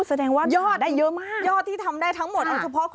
สนุนโดยอีซุสุข